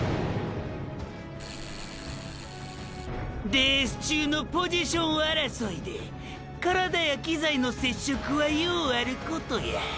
レース中のポジション争いで体や機材の接触はようあることや。